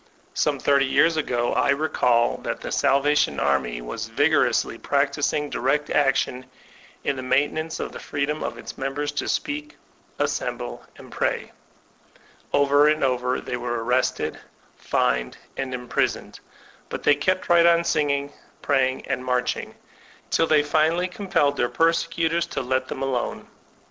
Some thirty years ago I recall that the Salvation Army was vigorously practbing direct action in the maintenance of the freedom of its members to qieak, assemble, and pray. Over and over they were arrested, fined, and imprisoned; but they kept right on tioging, praying, and marching, till they finally com pelled their persecutors to let them alone.